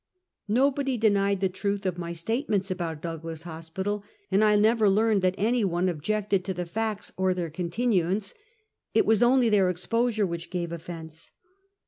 !Nobody denied the truth of my statements about Douglas Hospital, and I never learned that any one objected to the facts or their continuance. It was only their exposure which gave ofiense.